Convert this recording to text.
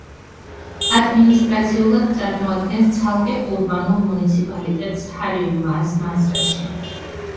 ადმინისტრაციულად წარმოადგენს ცალკე ურბანულ მუნიციპალიტეტს ჰარიუმაას მაზრაში.